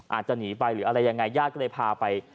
อาจจะหนีไปหรืออะไรยังไงญาติก็เลยพาไป